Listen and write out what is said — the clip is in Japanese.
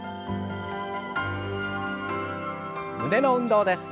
胸の運動です。